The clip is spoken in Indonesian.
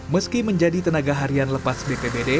meski menjadi tenaga harian lepas bpbd